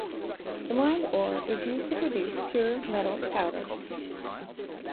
The mined ore is used to produce pure metal powder.